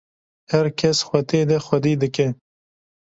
her kes xwe tê de xwedî dike